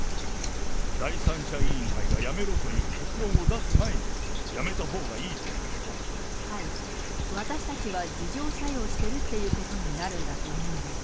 第三者委員会が辞めろという結論を出す前に、辞めたほうがいはい、私たちが自浄作用してるっていうことになるんだと思うんです。